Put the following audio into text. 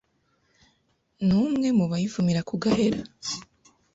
ni umwe mu bayivumira ku gahera